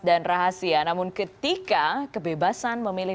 dan rahasia namun ketika kebebasan memilih